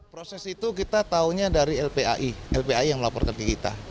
proses itu kita tahunya dari lpai lpai yang melaporkan ke kita